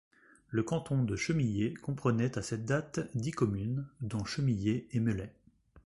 Le canton de Chemillé comprenait à cette date dix communes, dont Chemillé et Melay.